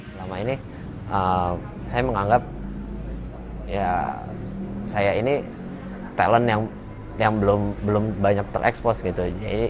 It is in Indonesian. selama ini saya menganggap ya saya ini talent yang belum banyak terekspos gitu